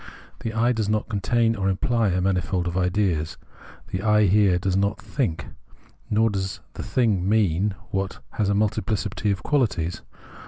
The I does not contain or imply a manifold of ideas, the I here does not think: nor does the thing mean what has a multiphcity of qualities.